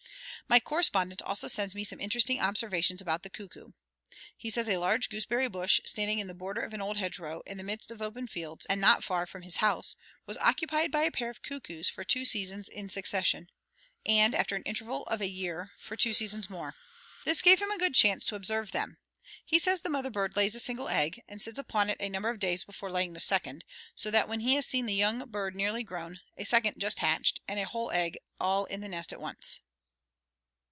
My correspondent also sends me some interesting observations about the cuckoo. He says a large gooseberry bush standing in the border of an old hedgerow, in the midst of open fields, and not far from his house, was occupied by a pair of cuckoos for two seasons in succession, and, after an interval of a year, for two seasons more. This gave him a good chance to observe them. He says the mother bird lays a single egg, and sits upon it a number of days before laying the second, so that he has seen one young bird nearly grown, a second just hatched, and a whole egg all in the nest at once.